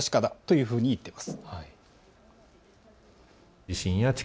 確かだというふうに言っています。